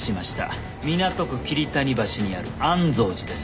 港区桐谷橋にある安増寺です。